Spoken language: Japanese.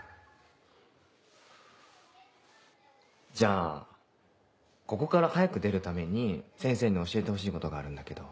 じゃあここから早く出るために先生に教えてほしいことがあるんだけど。